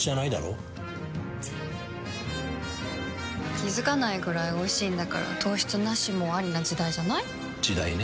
気付かないくらいおいしいんだから糖質ナシもアリな時代じゃない？時代ね。